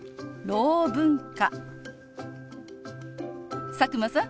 ろう文化。